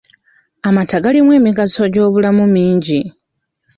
Amata galimu emigaso gy'ebyobulamu mingi.